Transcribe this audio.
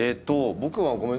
僕はごめん